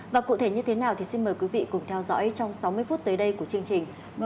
và cụ thể như thế nào thì xin mời quý vị cùng theo dõi trong sáu mươi phút tới đây của chương trình